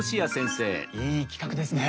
いい企画ですね！